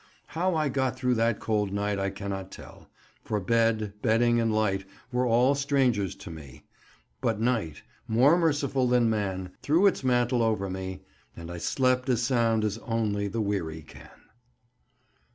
How I got through that cold night I cannot tell, for bed, bedding and light were all strangers to me; but night, more merciful than man, threw its mantle over me, and I slept as sound as only the weary can.